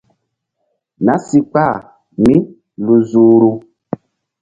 Nah si kpah mí lu zuhru.